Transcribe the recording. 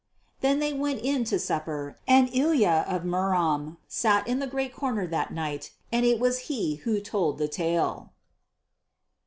Then they went in to supper, and Ilya of Murom sat in the great corner that night and it was he who told the tale.